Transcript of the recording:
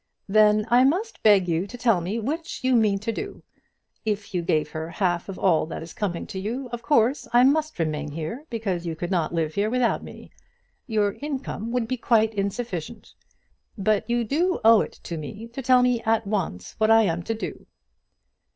"Then I must beg you to tell me which you mean to do. If you gave her half of all that is coming to you, of course I must remain here because you could not live here without me. Your income would be quite insufficient. But you do owe it to me to tell me at once what I am to do."